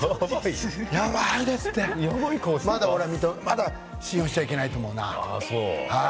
やばいですってまだ信用しちゃいけないと思うな。